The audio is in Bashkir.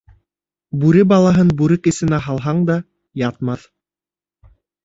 Бүре балаһын бүрек эсенә һалһаң да ятмаҫ.